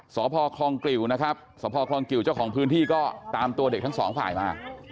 สพคลองกลิวนะครับสพคลองกิวเจ้าของพื้นที่ก็ตามตัวเด็กทั้งสองฝ่ายมา